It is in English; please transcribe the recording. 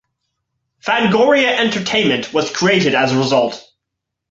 "Fangoria Entertainment" was created as a result.